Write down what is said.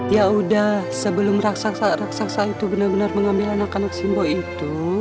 ya udah sebelum raksasa raksasa itu benar benar mengambil anak anak simbo itu